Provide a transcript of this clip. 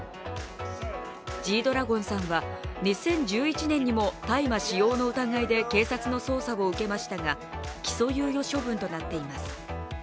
Ｇ−ＤＲＡＧＯＮさんは２０１１年にも大麻使用の疑いで警察の捜査を受けましたが起訴猶予処分となっています。